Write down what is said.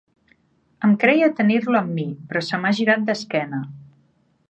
Em creia tenir-lo amb mi, però se m'ha girat d'esquena.